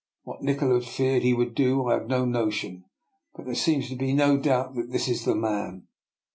What Nikola feared he would do I have no notion, but there seems to be no doubt that this is the man."